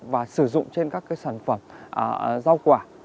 và sử dụng trên các cái sản phẩm rau quả